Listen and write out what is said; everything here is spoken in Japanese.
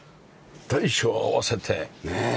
大小合わせてねえ！